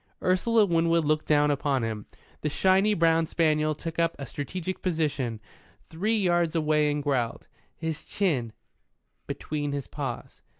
Ursula Winwood looked down upon him. The shiny brown spaniel took up a strategic position three yards away and growled, his chin between his paws.